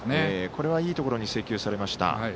これはいいところに制球されました。